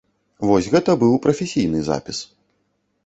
Вось гэта быў прафесійны запіс.